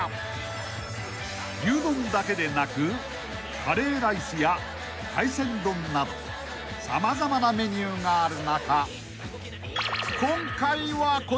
［牛丼だけでなくカレーライスや海鮮丼など様々なメニューがある中今回はこちら］